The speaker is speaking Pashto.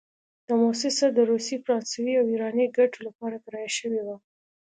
دا موسسه د روسي، فرانسوي او ایراني ګټو لپاره کرایه شوې وه.